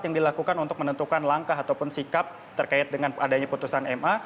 yang dilakukan untuk menentukan langkah ataupun sikap terkait dengan adanya putusan ma